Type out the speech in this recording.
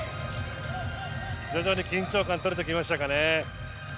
徐々に緊張感が取れてきましたかね。